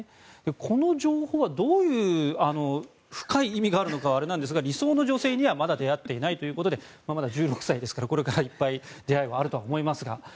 この情報がどういう深い意味があるのか分からないんですが理想の女性にはまだ出会っていないということでまだ１６歳ですからこれからいっぱい出会いもあると思いますが。